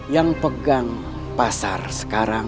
yang pegang pasar sekarang